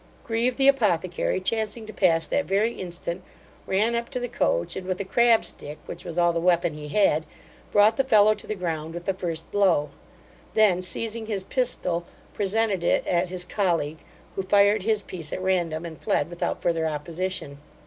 Grieve, the apothecary, chancing to pass that very instant, ran up to the coach, and with a crab stick, which was all the weapon he had, brought the fellow to the ground with the first blow; then seizing his pistol, presented it at his colleague, who fired his piece at random, and fled without further opposition.